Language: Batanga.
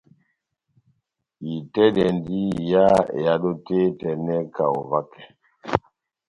Itɛ́dɛndi iha ehádo tɛ́h etɛnɛ kaho vakɛ.